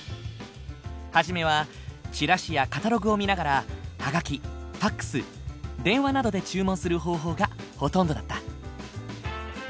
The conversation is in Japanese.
初めはチラシやカタログを見ながらハガキファックス電話などで注文する方法がほとんどだった。